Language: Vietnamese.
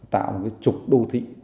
tạo một trục đô thị